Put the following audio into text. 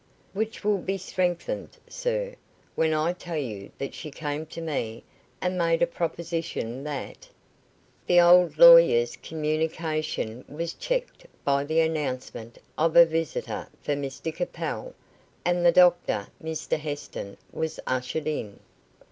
"Which will be strengthened, sir, when I tell you that she came to me and made a proposition that " The old lawyer's communication was checked by the announcement of a visitor for Mr Capel, and the doctor, Mr Heston, was ushered in.